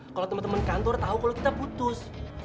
kalo temen temen kantor tau kalo kita putus